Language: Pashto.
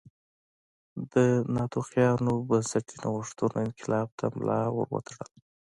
د ناتوفیانو بنسټي نوښتونو انقلاب ته ملا ور وتړله